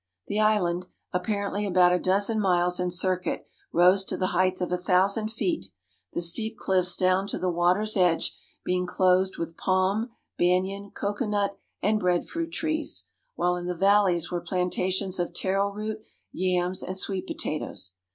The island, apparently about a dozen miles in circuit, rose to the height of a thousand feet, the steep cliffs down to the water's edge being clothed with palm, banyan, cocoanut, and bread fruit trees, while in the valleys were plantations of taro root, yams, and sweet potatoes.